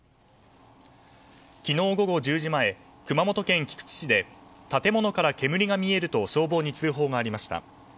昨日午後１０時前熊本県菊池市で建物から煙が見えると消防に通報がありました。